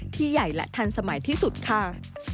ที่ใหญ่และทันสมัยที่สุดค่ะ